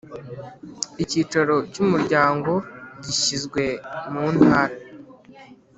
Icyicaro cy umuryango gishyizwe mu Ntara